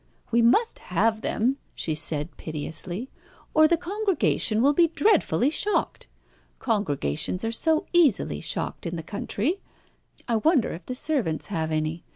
"We must have them," she said piteously, "or the congregation will be dreadfully shocked. Congregations are so easily shocked in the country. I wonder if the servants have any?